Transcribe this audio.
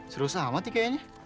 seru sama sih kayaknya